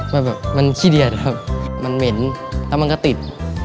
แบบมันขี้เดียดครับมันเหม็นแล้วมันก็ติด